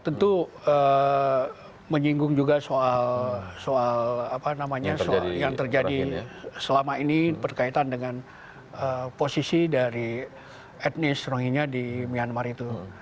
tentu menyinggung juga soal apa namanya yang terjadi selama ini berkaitan dengan posisi dari etnis rohinya di myanmar itu